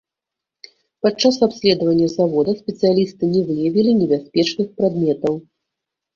Падчас абследавання завода спецыялісты не выявілі небяспечных прадметаў.